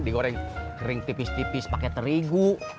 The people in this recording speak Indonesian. digoreng kering tipis tipis pakai terigu